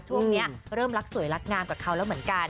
ช่วงนี้เริ่มรักสวยรักงามกับเขาแล้วเหมือนกัน